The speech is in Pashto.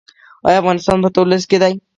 آیا افغانستان په تور لیست کې دی؟